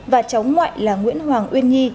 và cháu ngoại là nguyễn hoàng uyên nhi